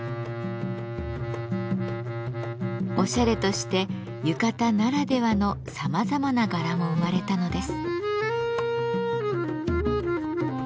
おしゃれとして浴衣ならではのさまざまな柄も生まれたのです。